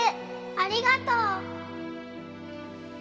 ありがとう。